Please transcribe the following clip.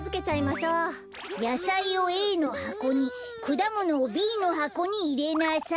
やさいをＡのはこにくだものをＢのはこにいれなさいって。